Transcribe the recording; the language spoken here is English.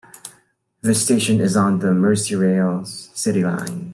The station is on the Merseyrail City Line.